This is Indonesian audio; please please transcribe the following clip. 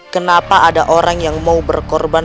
kenapa ada orang yang mau berkorban